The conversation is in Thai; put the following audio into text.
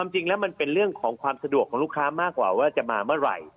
จริงแล้วมันเป็นเรื่องของความสะดวกของลูกค้ามากกว่าว่าจะมาเมื่อไหร่